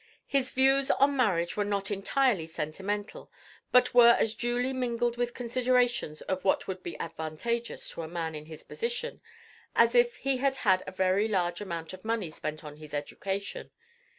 His views on marriage were not entirely sentimental, but were as duly mingled with considerations of what would be advantageous to a man in his position, as if he had had a very large amount of money spent on his education.